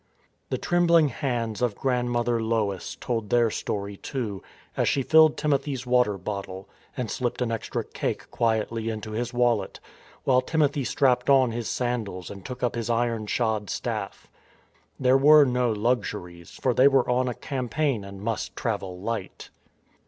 The trembling hands of Grandmother Lois told their story, too, as she filled Timothy's water bottle and slipped an extra cake quietly into his wallet, while Timothy strapped on his sandals and took up his iron shod staff. There were no luxuries, for they were on a campaign and must " travel light."